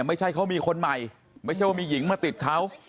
ไม่ใช่เขามีคนใหม่ไม่ใช่ว่ามีหญิงมาติดเขา